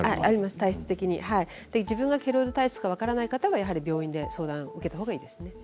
自分がケロイド体質か分からない方は、病院で相談を受けたほうがいいですね。